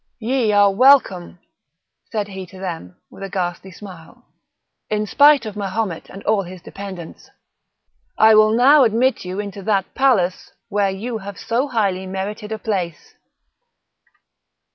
"Ye are welcome," said he to them, with a ghastly smile, "in spite of Mahomet and all his dependants. I will now admit you into that palace where you have so highly merited a place."